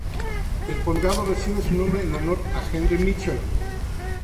El condado recibe su nombre en honor a Henry Mitchell.